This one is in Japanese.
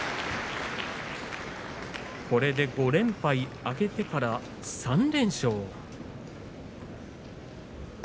これで５連敗、明けてから３連勝。